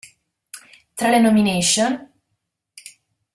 Tra le nomination